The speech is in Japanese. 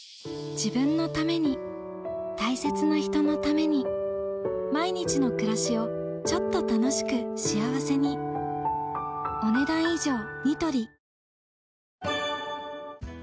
自分のために大切な人のために毎日の暮らしをちょっと楽しく幸せにこんにちは。